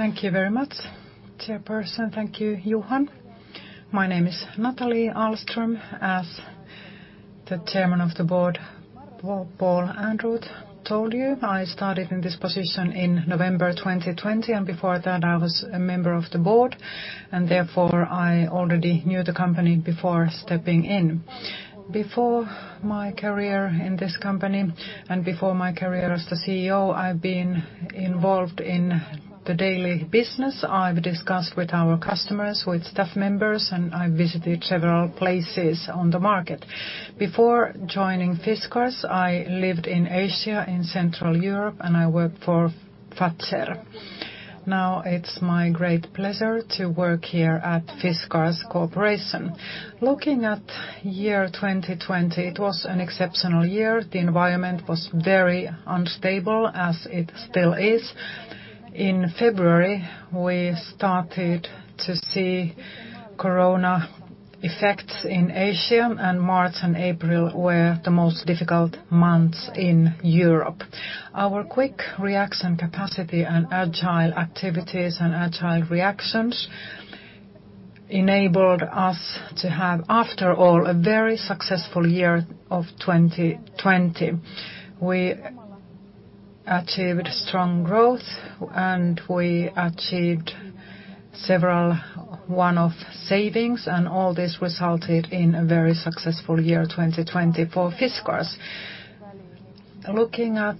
Thank you very much, chairperson. Thank you, Johan. My name is Nathalie Ahlström, as the Chairman of the Board, Paul Ehrnrooth told you. I started in this position in November 2020, and before that, I was a member of the Board, and therefore, I already knew the company before stepping in. Before my career in this company and before my career as the CEO, I've been involved in the daily business. I've discussed with our customers, with staff members, and I visited several places on the market. Before joining Fiskars, I lived in Asia, in Central Europe, and I worked for Fazer. Now it's my great pleasure to work here at Fiskars Corporation. Looking at year 2020, it was an exceptional year. The environment was very unstable, as it still is. In February, we started to see corona effects in Asia, and March and April were the most difficult months in Europe. Our quick reaction capacity and agile activities and agile reactions enabled us to have, after all, a very successful year of 2020. We achieved strong growth, and we achieved several one-off savings, and all this resulted in a very successful year 2020 for Fiskars. Looking at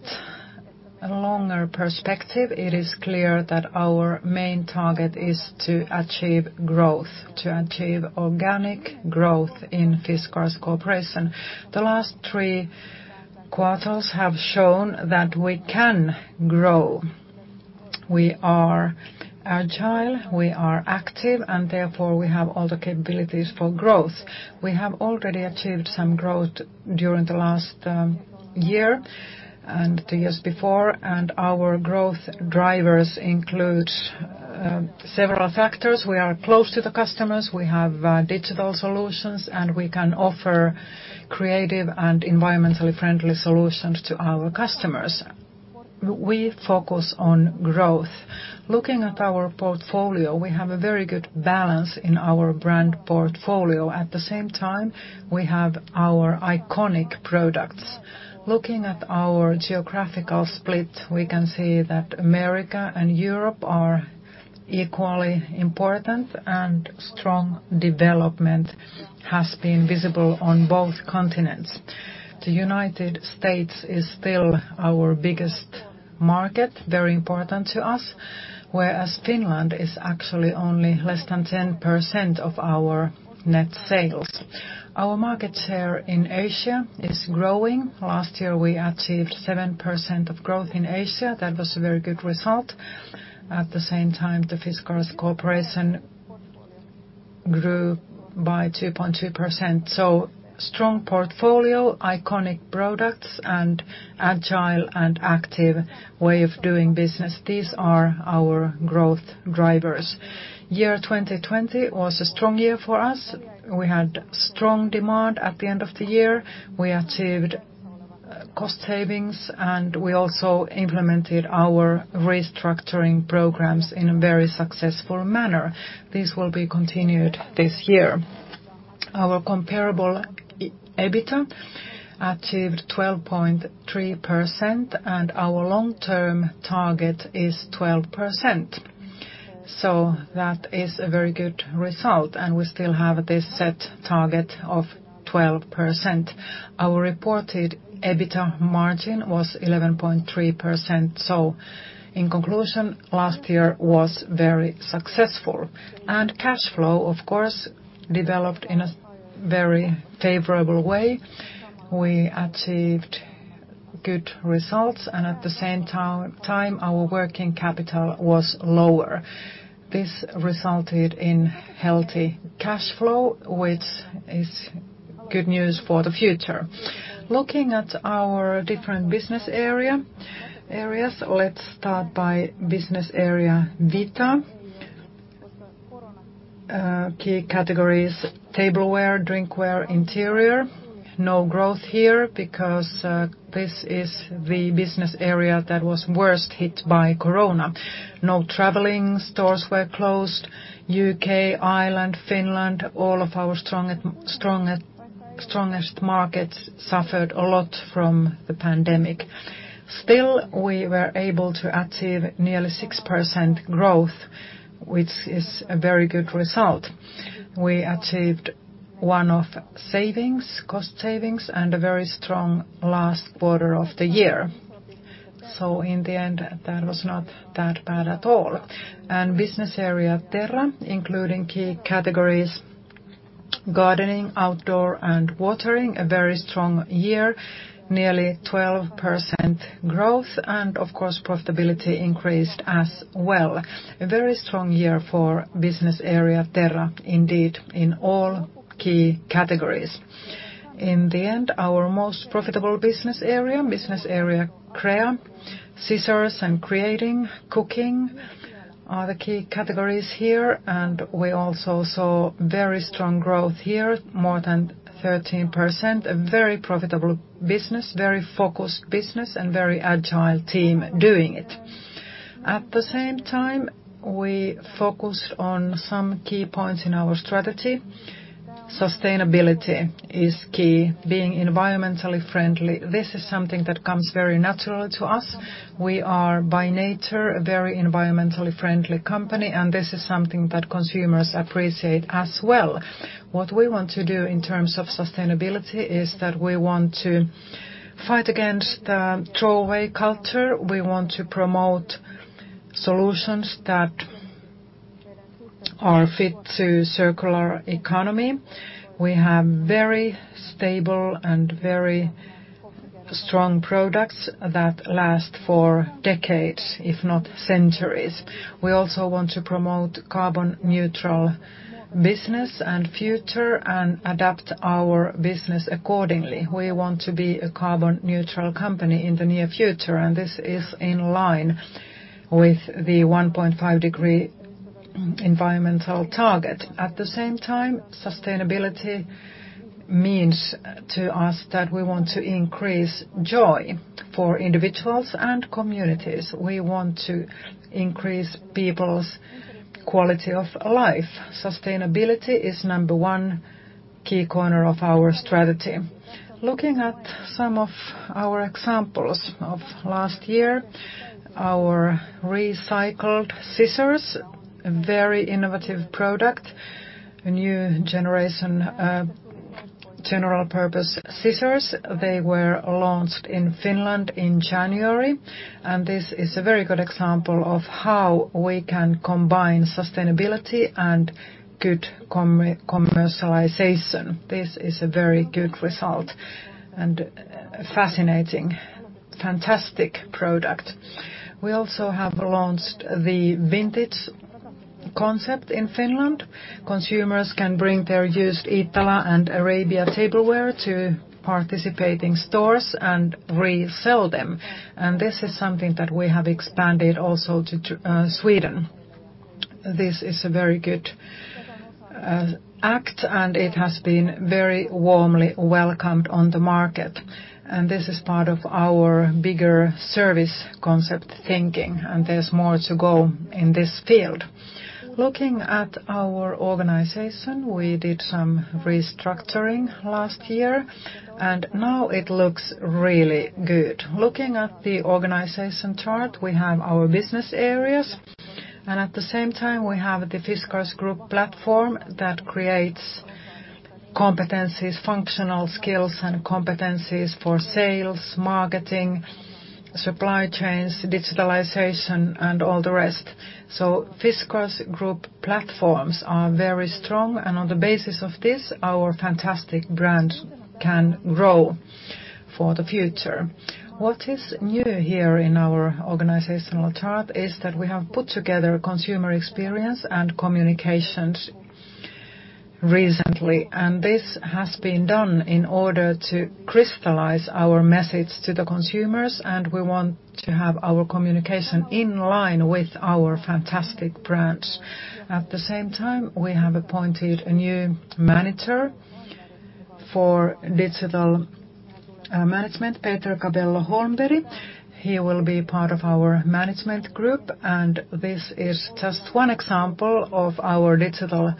a longer perspective, it is clear that our main target is to achieve growth, to achieve organic growth in Fiskars Corporation. The last three quarters have shown that we can grow. We are agile, we are active, and therefore we have all the capabilities for growth. We have already achieved some growth during the last year and the years before, and our growth drivers include several factors. We are close to the customers, we have digital solutions, and we can offer creative and environmentally friendly solutions to our customers. We focus on growth. Looking at our portfolio, we have a very good balance in our brand portfolio. At the same time, we have our iconic products. Looking at our geographical split, we can see that America and Europe are equally important, and strong development has been visible on both continents. The United States is still our biggest market, very important to us, whereas Finland is actually only less than 10% of our net sales. Our market share in Asia is growing. Last year, we achieved 7% of growth in Asia. That was a very good result. At the same time, the Fiskars Corporation grew by 2.2%. Strong portfolio, iconic products, and agile and active way of doing business, these are our growth drivers. Year 2020 was a strong year for us. We had strong demand at the end of the year. We achieved cost savings, and we also implemented our restructuring programs in a very successful manner. This will be continued this year. Our comparable EBITDA achieved 12.3%, and our long-term target is 12%. That is a very good result, and we still have this set target of 12%. Our reported EBITDA margin was 11.3%. In conclusion, last year was very successful. Cash flow, of course, developed in a very favorable way. We achieved good results, and at the same time, our working capital was lower. This resulted in healthy cash flow, which is good news for the future. Looking at our different business areas, let's start by Business Area Vita. Key categories, tableware, drinkware, interior. No growth here because this is the business area that was worst hit by corona. No traveling, stores were closed. U.K., Ireland, Finland, all of our strongest markets suffered a lot from the pandemic. Still, we were able to achieve nearly 6% growth, which is a very good result. We achieved one-off savings, cost savings, and a very strong last quarter of the year. In the end, that was not that bad at all. Business area Terra, including key categories, gardening, outdoor, and watering, a very strong year, nearly 12% growth, and of course, profitability increased as well. A very strong year for Business area Terra, indeed, in all key categories. In the end, our most profitable business area, Business area Crea, scissors and creating, cooking are the key categories here, and we also saw very strong growth here, more than 13%. A very profitable business, very focused business, and very agile team doing it. At the same time, we focused on some key points in our strategy. Sustainability is key, being environmentally friendly. This is something that comes very naturally to us. We are, by nature, a very environmentally friendly company. This is something that consumers appreciate as well. What we want to do in terms of sustainability is that we want to fight against the throwaway culture. We want to promote solutions that are fit to circular economy. We have very stable and very strong products that last for decades, if not centuries. We also want to promote carbon neutral business and future. We want to adapt our business accordingly. We want to be a carbon neutral company in the near future. This is in line with the 1.5-degree environmental target. At the same time, sustainability means to us that we want to increase joy for individuals and communities. We want to increase people's quality of life. Sustainability is number one key corner of our strategy. Looking at some of our examples of last year, our recycled scissors, a very innovative product, a new generation general-purpose scissors. They were launched in Finland in January. This is a very good example of how we can combine sustainability and good commercialization. This is a very good result and fascinating, fantastic product. We also have launched the vintage concept in Finland. Consumers can bring their used Iittala and Arabia tableware to participating stores and resell them. This is something that we have expanded also to Sweden. This is a very good act. It has been very warmly welcomed on the market. This is part of our bigger service concept thinking, and there's more to go in this field. Looking at our organization, we did some restructuring last year, and now it looks really good. Looking at the organization chart, we have our business areas, and at the same time, we have the Fiskars Group platform that creates competencies, functional skills and competencies for sales, marketing, supply chains, digitalization, and all the rest. Fiskars Group platforms are very strong, and on the basis of this, our fantastic brand can grow for the future. What is new here in our organizational chart is that we have put together consumer experience and communications recently, and this has been done in order to crystallize our message to the consumers, and we want to have our communication in line with our fantastic brands. At the same time, we have appointed a new manager for digital management, Peter Cabello Holmberg. He will be part of our management group, and this is just one example of our digital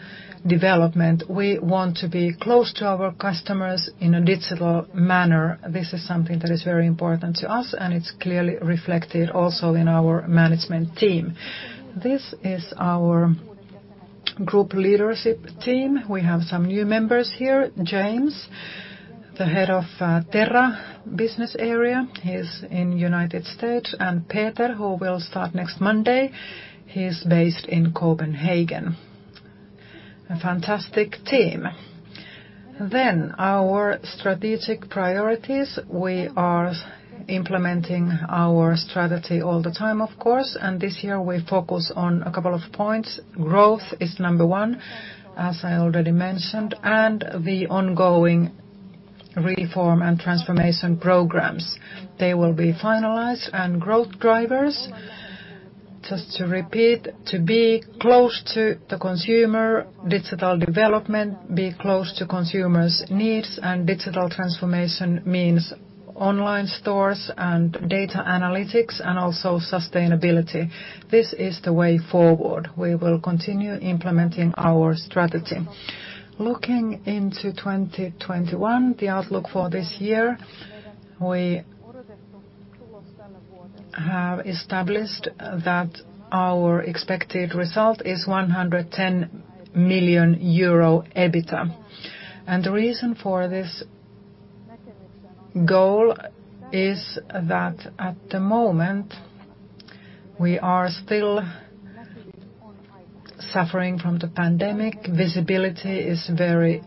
development. We want to be close to our customers in a digital manner. This is something that is very important to us, and it's clearly reflected also in our management team. This is our group leadership team. We have some new members here. James, the head of Terra business area. He's in the U.S. Peter, who will start next Monday, he's based in Copenhagen. A fantastic team. Our strategic priorities, we are implementing our strategy all the time, of course, and this year we focus on a couple of points. Growth is number one, as I already mentioned, and the ongoing reform and transformation programs will be finalized. Growth drivers, just to repeat, to be close to the consumer, digital development, be close to consumers' needs, digital transformation means online stores and data analytics and also sustainability. This is the way forward. We will continue implementing our strategy. Looking into 2021, the outlook for this year. We have established that our expected result is 110 million euro EBITDA. The reason for this goal is that at the moment, we are still suffering from the pandemic. Visibility is very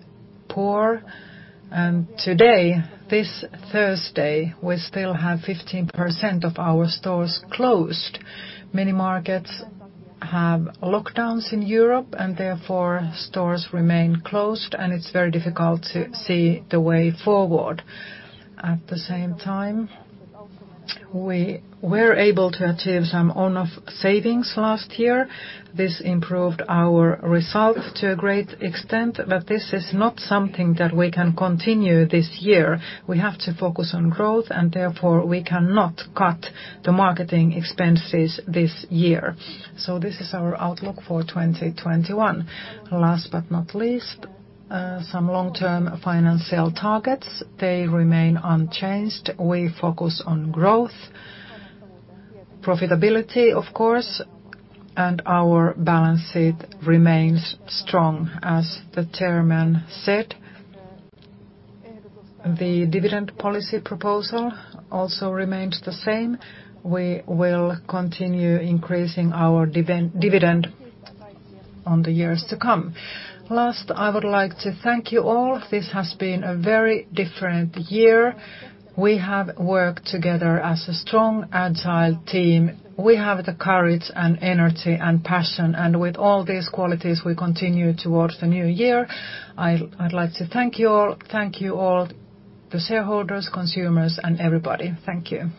poor. Today, this Thursday, we still have 15% of our stores closed. Many markets have lockdowns in Europe, and therefore, stores remain closed, and it's very difficult to see the way forward. At the same time, we were able to achieve some one-off savings last year. This improved our results to a great extent, but this is not something that we can continue this year. We have to focus on growth, and therefore, we cannot cut the marketing expenses this year. This is our outlook for 2021. Last but not least, some long-term financial targets. They remain unchanged. We focus on growth, profitability, of course, and our balance sheet remains strong, as the chairman said. The dividend policy proposal also remains the same. We will continue increasing our dividend on the years to come. Last, I would like to thank you all. This has been a very different year. We have worked together as a strong, agile team. We have the courage and energy and passion, and with all these qualities, we continue towards the new year. I'd like to thank you all. Thank you all, the shareholders, consumers, and everybody. Thank you.